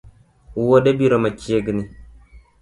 Wuode biro machiegni